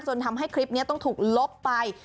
ทำให้คลิปนี้ต้องถูกลบไป